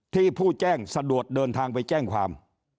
ผู้แจ้งสะดวกเดินทางไปแจ้งความ